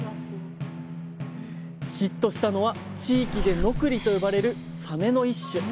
ヒットしたのは地域でノクリと呼ばれるサメの一種。